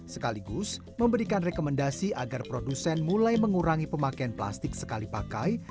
sekaligus memberikan rekomendasi agar produsen mulai mengurangi pemakaian plastik sekali pakai